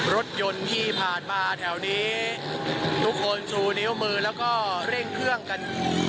รถยนต์ที่ผ่านมาแถวนี้ทุกคนชูนิ้วมือแล้วก็เร่งเครื่องกัน